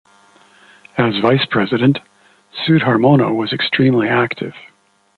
As Vice President, Sudharmono was extremely active.